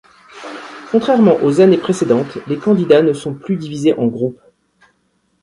Contrairement aux années précédentes, les candidats ne sont plus divisés en groupes.